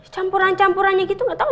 campuran campurannya gitu gak tau